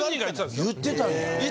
言ってたんだ。